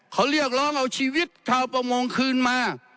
เขาเรียกร้องเอาชีวิตชาวประมงคืนมา